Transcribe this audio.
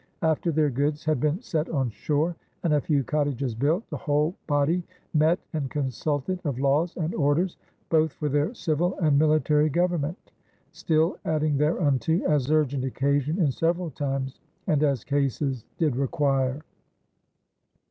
After their goods had been set on shore and a few cottages built, the whole body "mette and consulted of lawes and orders, both for their civil and military governmente, still adding therunto as urgent occasion in severall times, and as cases did require."